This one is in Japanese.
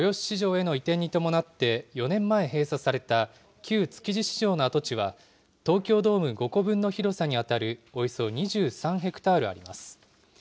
市場への移転に伴って４年前閉鎖された旧築地市場の跡地は、東京ドーム５個分の広さにあたるおよそ２３ヘクタールあります。